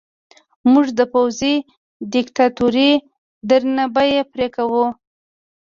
موږ د پوځي دیکتاتورۍ درنه بیه پرې کوو.